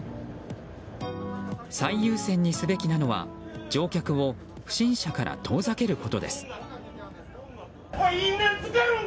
最優先にすべきなのは乗客を不審者から遠ざけることです。